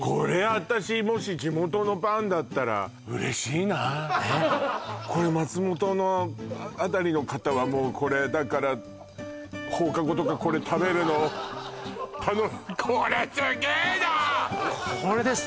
私もし地元のパンだったら嬉しいなこれ松本のあたりの方はもうこれだから放課後とかこれ食べるのたのこれです